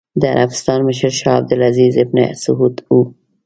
د عربستان مشر شاه عبد العزېز ابن سعود و.